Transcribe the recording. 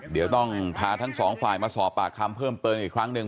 เดี๋ยวต้องพาทั้งสองฝ่ายมาสอบปากคำเพิ่มเติมอีกครั้งหนึ่ง